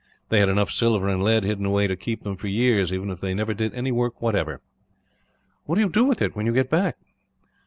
They had enough silver and lead hidden away to keep them for years, even if they never did any work, whatever. "What do you do with it, when you get back?"